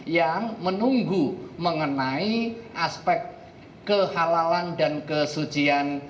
yang menunggu mengenai aspek kehalalan dan kesucian